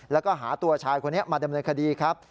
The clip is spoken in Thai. แล้วก็หาตัวชายคนนี้มาดำเนินคดีครับ